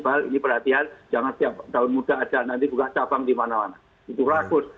balik diperhatikan jangan siap tahun muda aja nanti buka cabang dimana mana itu ragus